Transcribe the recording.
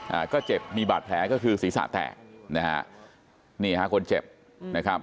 อ่าก็เจ็บมีบาดแผลก็คือศีรษะแตกนะฮะนี่ฮะคนเจ็บนะครับ